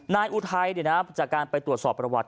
นายอุทัยเนี่ยนะจากการไปตรวจสอบประวัติ